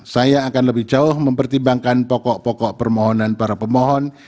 saya akan lebih jauh mempertimbangkan pokok pokok permohonan para pemohon